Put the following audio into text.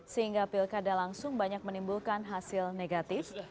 sehingga pilkada langsung banyak menimbulkan hasil negatif